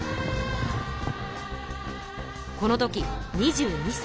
この時２２さい。